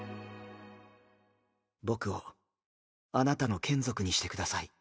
僕をあなたの眷属にしてください。